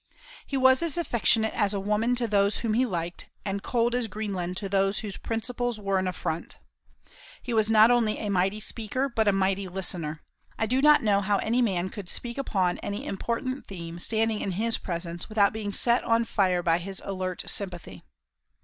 He was as affectionate as a woman to those whom he liked, and cold as Greenland to those whose principles were an affront. He was not only a mighty speaker, but a mighty listener. I do not know how any man could speak upon any important theme, standing in his presence, without being set on fire by his alert sympathy.